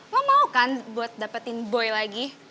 lo mau kan buat dapetin boy lagi